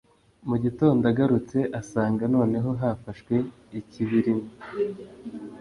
mu gitondo agarutse, asanga noneho hafashwe ikibirima